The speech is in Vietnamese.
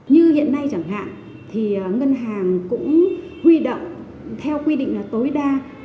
như hiện nay chẳng hạn thì ngân hàng cũng huy động theo quy định là tối đa